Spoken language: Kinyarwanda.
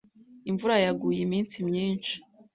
Imvura yaguye iminsi myinshi.